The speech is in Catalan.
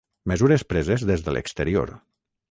Mesures preses des de l'exterior.